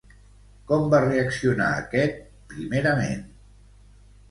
Com va reaccionar aquest primerament?